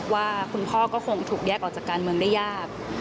ว่าคุณพ่อก็คงถูกแยกออกจากการเมืองได้ยาก